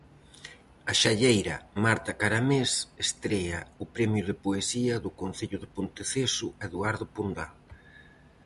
A xalleira Marta Caramés estrea o premio de poesía do concello de Ponteceso Eduardo Pondal.